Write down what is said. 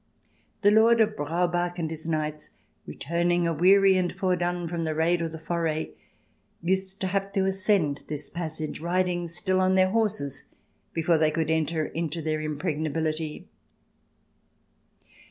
The Lord of Braubach and his knights, returning aweary and foredone from the raid or the foray, used to have to ascend this passage, riding still on their horses, before they could enter into their impregnability.